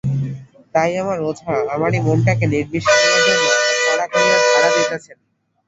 তাই আমার ওঝা আমারই মনটাকে নির্বিষ করিবার জন্য এত কড়া করিয়া ঝাড়া দিতেছেন।